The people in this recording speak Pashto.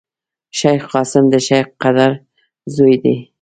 شېخ قاسم دشېخ قدر زوی دﺉ.